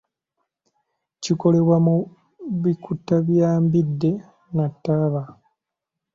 Kikolebwa mu bikuta bya mbidde na taaba.